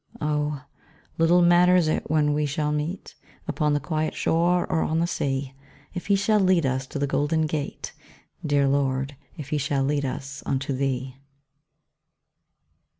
Oh, little matters it when we shall meet, Upon the quiet shore, or on the sea, If he shall lead us to the golden gate, Dear Lord, if he shall lead us unto Thee.